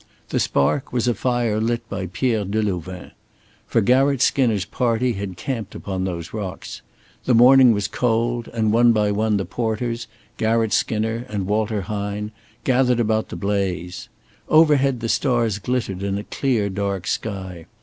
The spark was a fire lit by Pierre Delouvain. For Garratt Skinner's party had camped upon those rocks. The morning was cold, and one by one the porters, Garratt Skinner, and Walter Hine, gathered about the blaze. Overhead the stars glittered in a clear, dark sky.